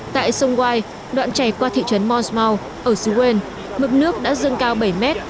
tại sông wai đoạn chảy qua thị trấn mossmall ở suez mực nước đã dâng cao bảy mét